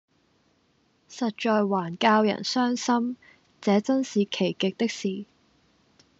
實在還教人傷心，這眞是奇極的事！